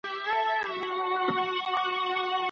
ښوونکي زموږ پاڼه وړاندي کوي.